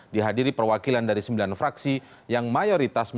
dihadiri perwakilan dari sembilan fraksi yang mayoritas